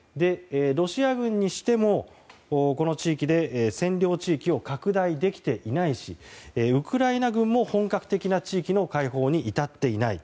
ロシア軍にしてもこの地域で占領地域を拡大できていないしウクライナ軍も本格的な地域の解放に至っていない。